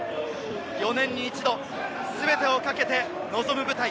４年に一度全てをかけて臨む舞台。